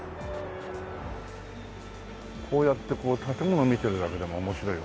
こうやってこう建物見てるだけでも面白いよ。